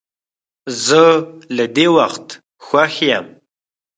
زه له دې وخت خوښ یم.